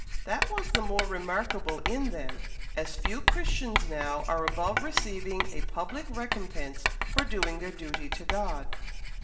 "That was the more remarkable in them, as few Christians now are above receiving a public recompense for doing their duty to God.